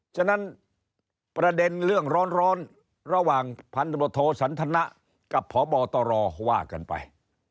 ฉะนั้นประเด็นเรื่องร้อนระหว่างพศศกับพบตรว่ากันไป